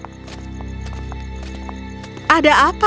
kerajaan cahaya diliputi kegelapan